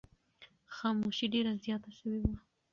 خاموشي ډېره زیاته شوې وه.